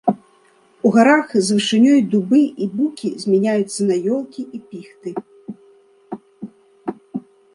У гарах з вышынёй дубы і букі змяняюцца на елкі і піхты.